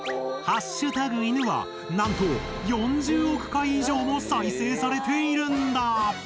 「＃犬」はなんと４０億回以上も再生されているんだ。